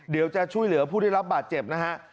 เดี๋ยวจะช่วยเหลือผู้ได้รับบาดเจ็บนะฮะ